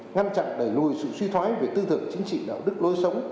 ngăn chặn đẩy lùi sự suy thoái về tư tưởng chính trị đạo đức lối sống